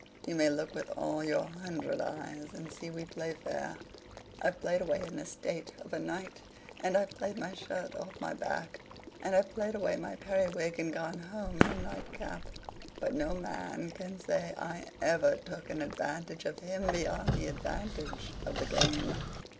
you may look with all your hundred eyes and see we play fair. I've played away an estate of a night, and I've played my shirt off my back; and I've played away my periwig and gone home in a nightcap. But no man can say I ever took an advantage of him beyond the advantage of the game.